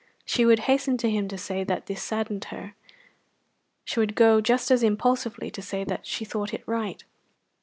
She would hasten to him to say that this saddened her. She would go just as impulsively to say that she thought it right.